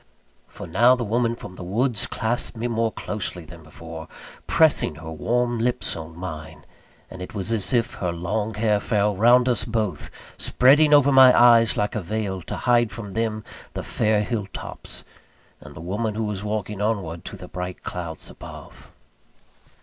For now the woman from the woods clasped me more closely than before, pressing her warm lips on mine; and it was as if her long hair fell round us both, spreading over my eyes like a veil, to hide from them the fair hill tops, and the woman who was walking onward to the bright clouds above.